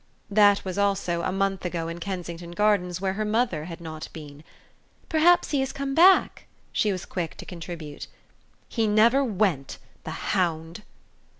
That was also, a month ago in Kensington Gardens, where her mother had not been. "Perhaps he has come back," she was quick to contribute. "He never went the hound!"